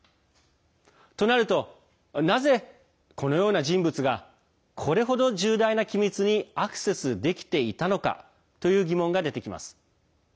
となると、なぜこのような人物がこれ程、重大な機密にアクセスできていたのかという疑問が出てきます。